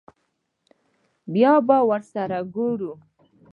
بيا به ورسره گورو.